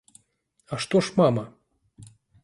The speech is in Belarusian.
А што ж мама?